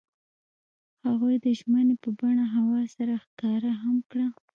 هغوی د ژمنې په بڼه هوا سره ښکاره هم کړه.